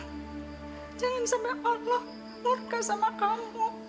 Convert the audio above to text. tuhan jangan sampai allah murka sama kamu